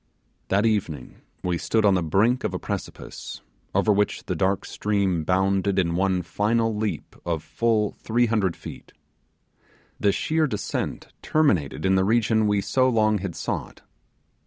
That evening we stood on the brink of a precipice, over which the dark stream bounded in one final leap of full 300 feet. The sheer descent terminated in the region we so long had sought.